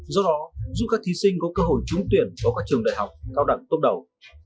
do đó giúp các thí sinh có cơ hội trúng tuyển vào các trường đại học cao đẳng tốt đầu